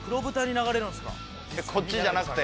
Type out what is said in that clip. こっちじゃなくて？